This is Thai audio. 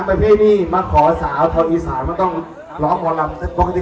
เพื่อที่จะสร้างความสลึกสนานในครั้งนี้